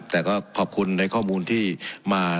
แต่ก็ขอบคุณในข้อมูลที่มา